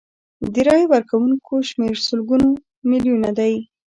د رایې ورکوونکو شمیر سلګونه میلیونه دی.